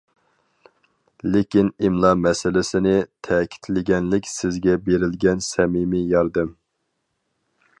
لېكىن ئىملا مەسىلىسىنى تەكىتلىگەنلىك سىزگە بېرىلگەن سەمىمىي ياردەم.